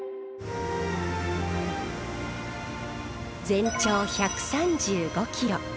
全長１３５ｋｍ。